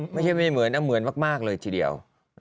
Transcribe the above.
ไม่ใช่ไม่เหมือนนะเหมือนมากเลยทีเดียว